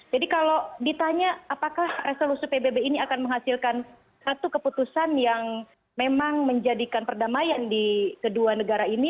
kalau ditanya apakah resolusi pbb ini akan menghasilkan satu keputusan yang memang menjadikan perdamaian di kedua negara ini